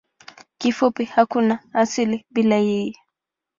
Kifupi hakuna asili bila yeye.